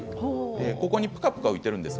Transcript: ここにぷかぷか浮いています。